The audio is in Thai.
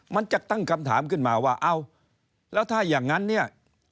มันจะตั้งคำถามขึ้นมาว่าเอ้าแล้วถ้าอย่างนั้นเนี่ย